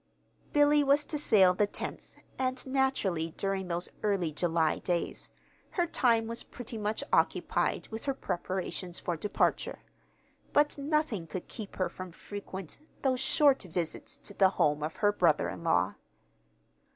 Billy was to sail the tenth, and, naturally, during those early July days, her time was pretty much occupied with her preparations for departure; but nothing could keep her from frequent, though short, visits to the home of her brother in law.